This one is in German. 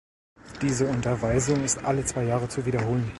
Diese Unterweisung ist alle zwei Jahre zu wiederholen.